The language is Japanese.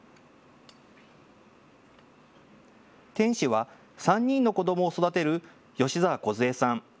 店主は３人の子どもを育てる吉澤梢さん。